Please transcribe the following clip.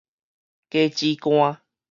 果子乾